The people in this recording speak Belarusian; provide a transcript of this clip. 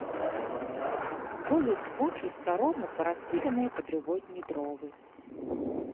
Колюць вочы старому параскіданыя па дрывотні дровы.